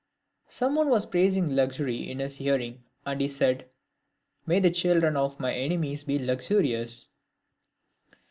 Some one was praising luxury in his hearing, and he said, " May the children of my enemies be luxurious."